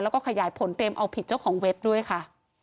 แล้วก็ขยายผลเตรียมเอาผิดเจ้าของเว็บด้วยค่ะ